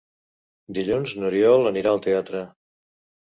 Dilluns n'Oriol anirà al teatre.